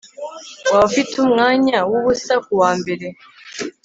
Waba ufite umwanya wubusa kuwa mbere